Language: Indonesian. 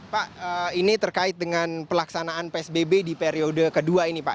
pak ini terkait dengan pelaksanaan psbb di periode kedua ini pak